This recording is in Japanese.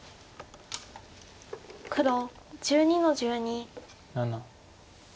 黒１２の十二。